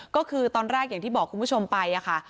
ก็คือตอนแรกอย่างที่บอกคุณผู้ชมไปค่ะ